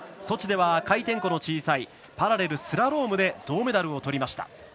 ソチでは回転が小さいパラレルスラロームでメダルをとりました。